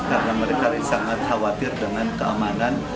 karena mereka sangat khawatir dengan keamanan